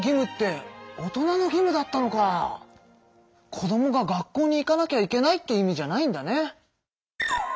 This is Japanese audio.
子どもが学校に行かなきゃいけないって意味じゃないんだね。